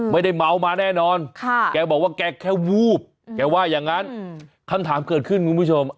ไม่ได้เมามาแน่นอนแกบอกว่าแกแค่วูบแกว่าอย่างนั้นคำถามเกิดขึ้นคุณผู้ชม